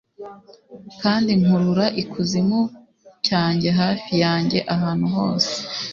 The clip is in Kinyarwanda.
Kandi nkurura ikuzimu cyanjye hafi yanjye ahantu hose